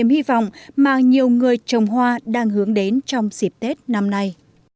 đây chính là niềm hy vọng mà nhiều người trồng hoa đang hướng đến trong dịp tết năm nay